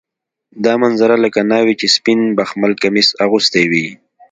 دا منظره لکه ناوې چې سپین بخمل کمیس اغوستی وي.